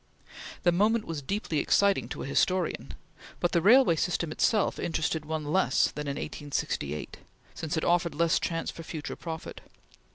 The moment was deeply exciting to a historian, but the railway system itself interested one less than in 1868, since it offered less chance for future profit.